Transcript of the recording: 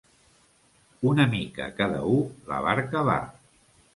Una mica cada u, la barca va.